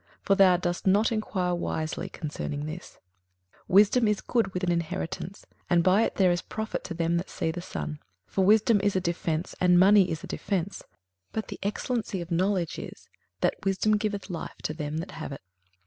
for thou dost not enquire wisely concerning this. 21:007:011 Wisdom is good with an inheritance: and by it there is profit to them that see the sun. 21:007:012 For wisdom is a defence, and money is a defence: but the excellency of knowledge is, that wisdom giveth life to them that have it.